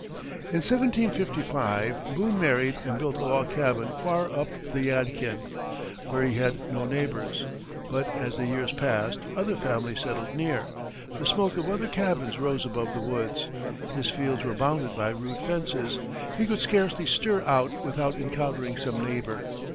[Illustration: Boone] In 1755, Boone married and built a log cabin far up the Yadkin, where he had no neighbors; but as the years passed, other families settled near; the smoke of other cabins rose above the woods; his fields were bounded by rude fences; he could scarcely stir out without encountering some neighbor.